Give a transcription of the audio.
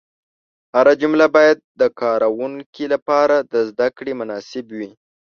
هره جمله باید د کاروونکي لپاره د زده کړې مناسب وي.